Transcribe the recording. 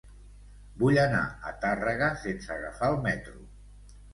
Vull anar a Tàrrega sense agafar el metro.